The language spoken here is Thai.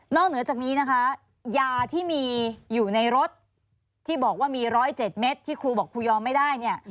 เหนือจากนี้นะคะยาที่มีอยู่ในรถที่บอกว่ามี๑๐๗เม็ดที่ครูบอกครูยอมไม่ได้เนี่ย